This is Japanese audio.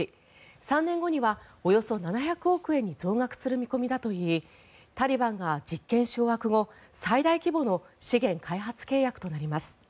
３年後にはおよそ７００億円に増額する見込みだといいタリバンが実権掌握後最大規模の資源開発契約となります。